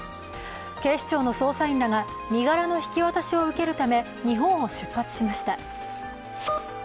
警視庁の捜査員らが、身柄の引き渡しを受けるため、日本を出発しました。